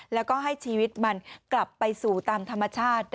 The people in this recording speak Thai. แล้วก็ให้ชีวิตมันกลับไปสู่ตามธรรมชาติ